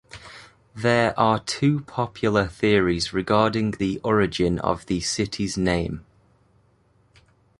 There are two popular theories regarding the origin of the city's name.